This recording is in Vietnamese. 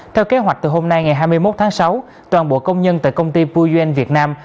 theo kế hoạch từ hôm nay ngày hai mươi một tháng sáu toàn bộ công nhân tại công ty puyan việt nam